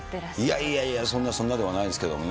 いやいや、そんなではないんですけどね。